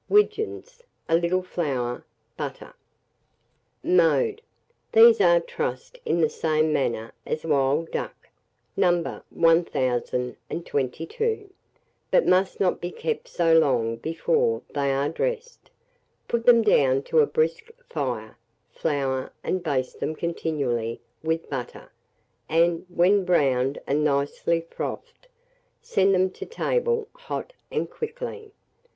Widgeons, a little flour, butter. Mode. These are trussed in the same manner as wild duck, No. 1022, but must not be kept so long before they are dressed. Put them down to a brisk fire; flour, and baste them continually with butter, and, when browned and nicely frothed, send them to table hot and quickly.